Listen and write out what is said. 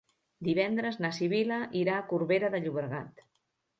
Divendres na Sibil·la irà a Corbera de Llobregat.